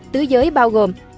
tứ giới bao gồm